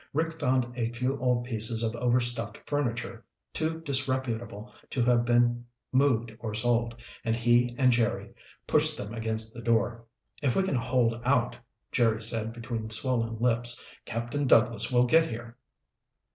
Rick found a few old pieces of overstuffed furniture, too disreputable to have been moved or sold, and he and Jerry pushed them against the door. "If we can hold out," Jerry said between swollen lips, "Captain Douglas will get here."